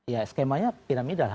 ya skemanya piramidal